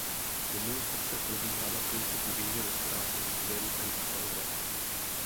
Komunikace probíhá na principu výměny zpráv mezi klientem a serverem.